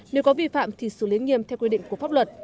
nếu có vi phạm thì xử lý nghiêm theo quy định của pháp luật